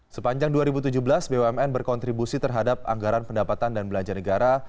sepanjang dua ribu tujuh belas bumn berkontribusi terhadap anggaran pendapatan dan belanja negara